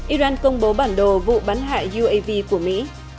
iran công bố bản đồ vụ bắn hại uav của mỹ